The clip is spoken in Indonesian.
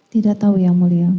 tidak tahu yang mulia